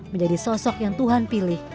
menjadi sosok yang tuhan pilih